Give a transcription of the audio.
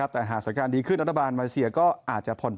ถ้าสรรค์การดีขึ้นแล้วมายเซียก็อาจจะผ่อนปล่อย